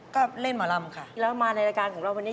ก็เล่นหมอลำค่ะแล้วมาในรายการของเราวันนี้